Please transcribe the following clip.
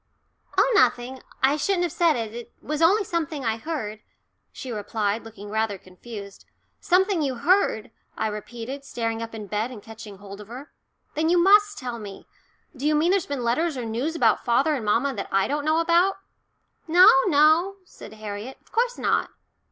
"Oh, nothing I shouldn't have said it it was only something I heard," she replied, looking rather confused. "Something you heard," I repeated, starting up in bed and catching hold of her. "Then you must tell me. Do you mean there's been letters or news about father and mamma that I don't know about?" "No, no," said Harriet. "Of course not."